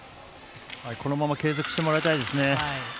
このまま継続してもらいたいですね。